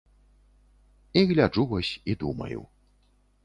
І гляджу вось і думаю.